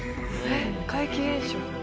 怪奇現象。